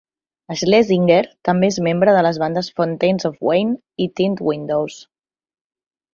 Schlesinger també és membre de les bandes Fountains of Wayne i Tint Windows.